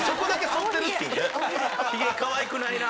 ひげかわいくないな。